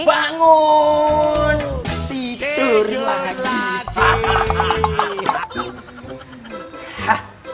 bangun tidur lagi